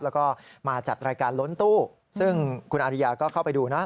แล้วก็มาจัดรายการล้นตู้ซึ่งคุณอาริยาก็เข้าไปดูนะ